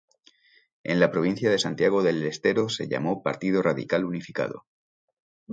En la provincia de Santiago del Estero se llamó Partido Radical Unificado.